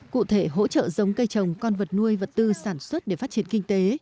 cụ thể hỗ trợ giống cây trồng con vật nuôi vật tư sản xuất để phát triển kinh tế